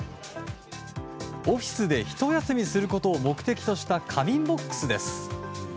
オフィスでひと休みすることを目的とした仮眠ボックスです。